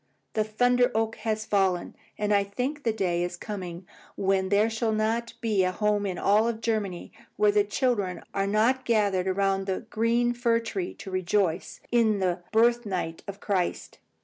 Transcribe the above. The thunder oak has fallen, and I think the day is coming when there shall not be a home in all Germany where the children are not gathered around the green fir tree to rejoice in the birth night of Christ."